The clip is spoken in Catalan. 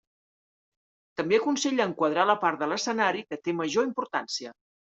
També aconsella enquadrar la part de l’escenari que té major importància.